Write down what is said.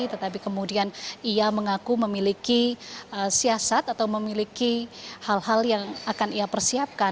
tetapi kemudian ia mengaku memiliki siasat atau memiliki hal hal yang akan ia persiapkan